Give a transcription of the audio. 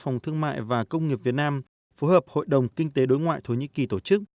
phòng thương mại và công nghiệp việt nam phối hợp hội đồng kinh tế đối ngoại thổ nhĩ kỳ tổ chức